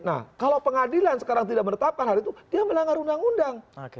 nah kalau pengadilan sekarang tidak menetapkan hari itu dia melanggar undang undang